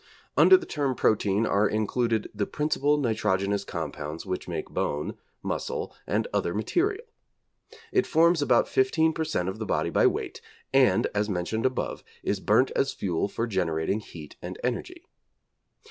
Under the term protein are included the principal nitrogenous compounds which make bone, muscle and other material. It forms about 15 per cent. of the body by weight, and, as mentioned above, is burnt as fuel for generating heat and energy.